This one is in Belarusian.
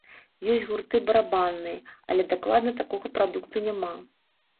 Ёсць гурты барабанныя, але дакладна такога прадукту няма.